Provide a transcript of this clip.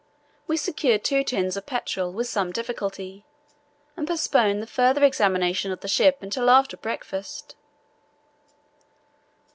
We secured two tins of petrol with some difficulty, and postponed the further examination of the ship until after breakfast.